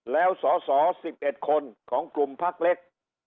แล้วสส๑๑คนของกลุ่มพักเล็ก